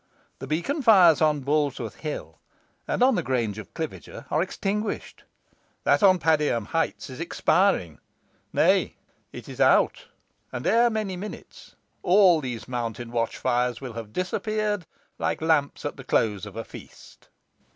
The beacon fires on Boulsworth Hill and on the Grange of Cliviger are extinguished; that on Padiham Heights is expiring nay, it is out; and ere many minutes all these mountain watch fires will have disappeared like lamps at the close of a feast."